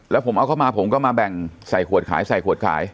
แล้วผมเอาเข้ามาผมก็มาแบ่งใส่ขวดขายใส่ขวดขาย